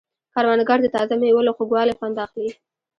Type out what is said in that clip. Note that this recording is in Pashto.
کروندګر د تازه مېوو له خوږوالي خوند اخلي